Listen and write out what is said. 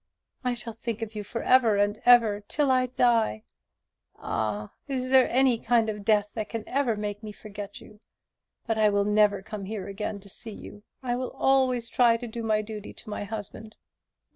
I shall think of you for ever and ever, till I die. Ah, is there any kind of death that can ever make me forget you? but I will never come here again to see you. I will always try to do my duty to my husband."